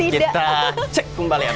kita cek kembalian